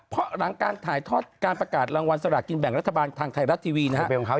เพราะหลังการถ่ายทอดการประกาศรางวัลสลากินแบ่งรัฐบาลทางไทยรัฐทีวีนะครับ